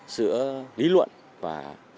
giữa lý luận và